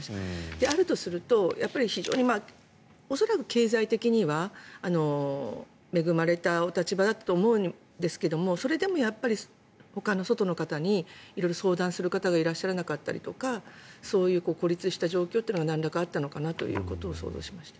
であるとすると恐らく経済的には恵まれたお立場だったと思うんですけどもそれでもやっぱりほかの外の方に色々相談する方がいらっしゃらなかったとかそういう孤立した状況がなんらかあったのかなということを想像しました。